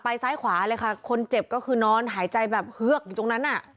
ซ้ายขวาเลยค่ะคนเจ็บก็คือนอนหายใจแบบเฮือกอยู่ตรงนั้นอ่ะ